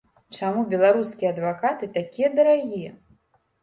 Чаму беларускія адвакаты такія дарагія?